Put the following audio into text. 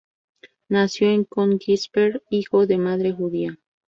Nació en Königsberg, hijo de madre judía.